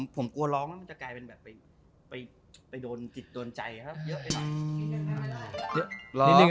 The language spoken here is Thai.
ผมกลัวร้องน่ะมันกลายเป็นไปโดนกิจโดนใจครับ